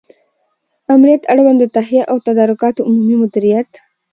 آمریت اړوند د تهیه او تدارکاتو عمومي مدیریت